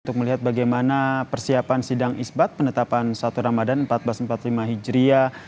untuk melihat bagaimana persiapan sidang isbat penetapan satu ramadhan seribu empat ratus empat puluh lima hijriah